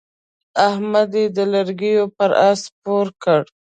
احمد يې د لرګو پر اس سپور کړ.